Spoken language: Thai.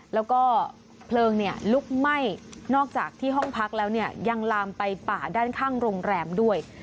แล้วก็เพลิงลุกไหม้นอกจากที่ห้องพักแล้วเนี่ยยังลามไปป่าด้านข้างโรงแรมด้วย